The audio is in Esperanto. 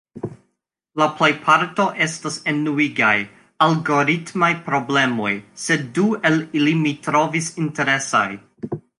La plejparto estas enuigaj algoritmaj prblemoj, sed du el ili mi trovis interesaj: